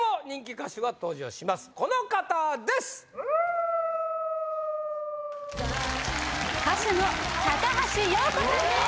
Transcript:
歌手の高橋洋子さんです